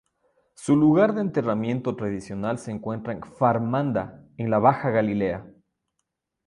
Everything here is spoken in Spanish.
Su lugar de enterramiento tradicional se encuentra en Kfar Manda, en la Baja Galilea.